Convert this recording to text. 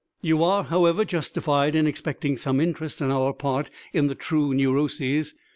You are, however, justified in expecting some interest on our part in the true neuroses.